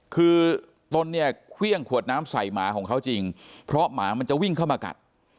คือตนเนี่ยเครื่องขวดน้ำใส่หมาของเขาจริงเพราะหมามันจะวิ่งเข้ามากัด